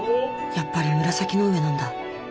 やっぱり紫の上なんだ。